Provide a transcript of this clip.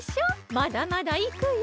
まだまだいくよ！